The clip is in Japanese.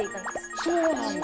そうなんだ。